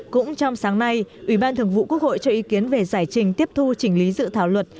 cũng trong sáng nay ủy ban thường vụ quốc hội cho ý kiến về giải trình tiếp thu chỉnh lý dự thảo luật